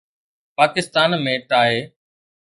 Pakistan ۾ tie